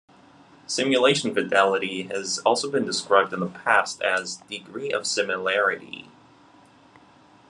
Simulation fidelity has also been described in the past as "degree of similarity".